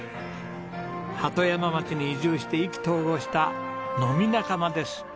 鳩山町に移住して意気投合した飲み仲間です。